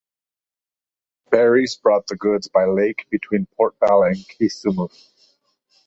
Ferries brought goods by lake between Port Bell and Kisumu.